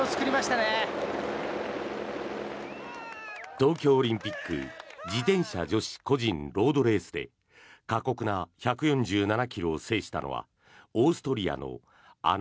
東京オリンピック自転車女子個人ロードレースで過酷な１４７ｋｍを制したのはオーストリアのアナ・